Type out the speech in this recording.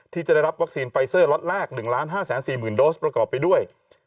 ที่จะได้รับวัคซีนไฟเซอร์ล็อตแรก๑๕๔๐๐๐โดสประกอบไปด้วย